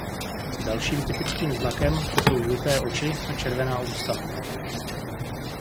Dalším typickým znakem jsou žluté oči a červená ústa.